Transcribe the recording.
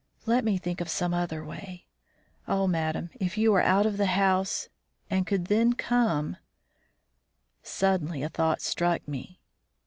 Let me think of some other way. Oh, madam! if you were out of the house, and could then come " Suddenly a thought struck me.